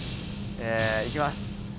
えいきます。